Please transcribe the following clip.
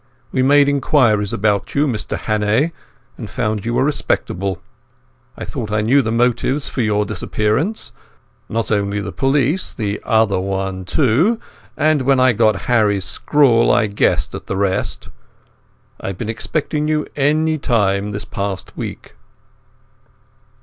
We made inquiries about you, Mr Hannay, and found you were respectable. I thought I knew the motives for your disappearance—not only the police, the other one too—and when I got Harry's scrawl I guessed at the rest. I have been expecting you any time this past week."